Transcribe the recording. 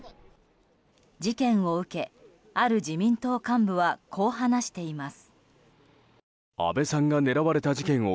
事件を受け、ある自民党幹部はこう話しています。